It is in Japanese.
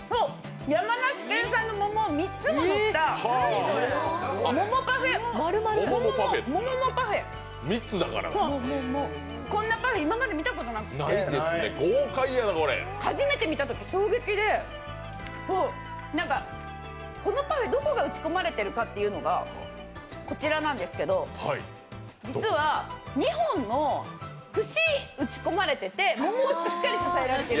山梨県産の桃が３つものったもももパフェ、こんなパフェ、今まで見たことなくて初めて見たとき衝撃で、このパフェ、どこが打ち込まれてるかというのがこちらなんですけど実は２本の串が打ち込まれていて、桃をしっかり支えている。